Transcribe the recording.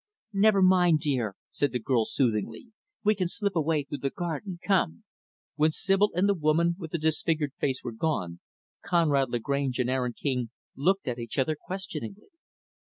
"Never mind, dear," said the girl, soothingly. "We can slip away through the garden come." When Sibyl and the woman with the disfigured face were gone, Conrad Lagrange and Aaron King looked at each other, questioningly.